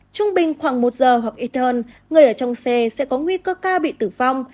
trung bình khoảng một giờ hoặc etern người ở trong xe sẽ có nguy cơ ca bị tử vong